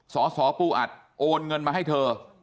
สสปูอัดโอนเงินมาให้เธอ